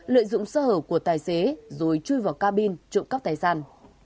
lợi dụng sơ hở của tài xế rồi chui vào cabin trụng cấp tài sản